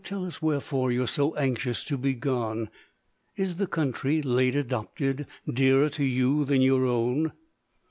tell us wherefore You're so anxious to be gone; Is the country late adopted Dearer to you than your own?